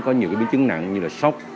có nhiều biến chứng nặng như là sốc